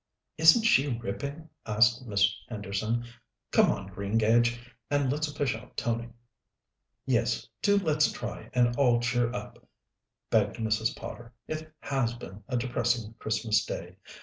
"Isn't she ripping?" asked Miss Henderson. "Come on, Greengage, and let's fish out Tony." "Yes, do let's try and all cheer up," begged Mrs. Potter. "It has been a depressing Christmas Day.